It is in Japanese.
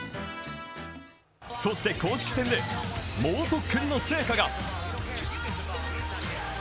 そして公式戦で猛特訓の成果が。